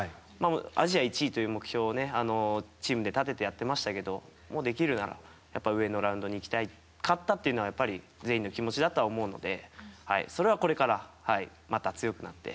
アジア１位という目標をチームで立ててやってましたができるなら上のラウンドに行きたかったというのが全員の気持ちだと思うのでそれはこれからまた強くなって。